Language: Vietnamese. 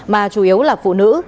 mà chủ yếu là phụ nữ